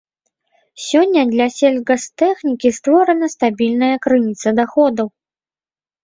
Сёння для сельгастэхнікі створаная стабільная крыніца даходаў.